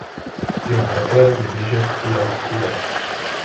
Jeho bratrem je běžec Ian Stewart.